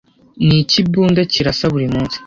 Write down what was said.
ni ikibunda kirasa buri munsi